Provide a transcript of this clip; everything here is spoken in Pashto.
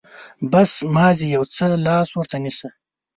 بس، مازې يو څه لاس ورته نيسه.